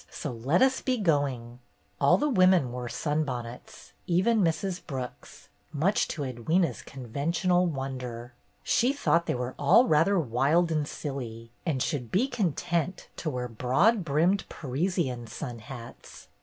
So let us be going." All the women wore sunbonnets, even Mrs. Brooks, much to Edwyna's conventional won der. She thought they were all rather wild 284 BETTY BAIRD'S GOLDEN YEAR and silly, and should be content to wear broad brimmed Parisian sun hats.